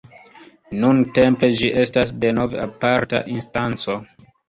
Nuntempe ĝi estas denove aparta instanco.